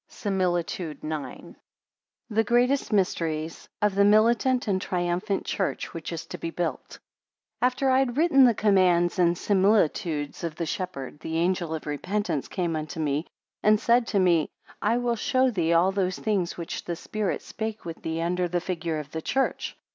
SIMILITUDE IX. The greatest mysteries of the militant and triumphant Church which is to be built. AFTER I had Written the Commands and similitudes of the Shepherd, the Angel of Repentance came unto me, and said to me, I will show thee all those things which the Spirit spake with thee under the figure of the church.